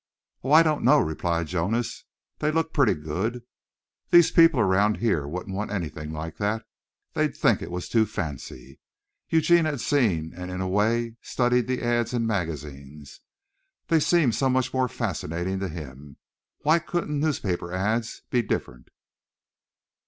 "Oh, I don't know," replied Jonas. "They look pretty good. These people around here wouldn't want anything like that. They'd think it was too fancy." Eugene had seen and in a way studied the ads. in the magazines. They seemed so much more fascinating to him. Why couldn't newspaper ads. be different?